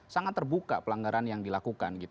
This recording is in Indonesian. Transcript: sangat terbuka pelanggaran yang dilakukan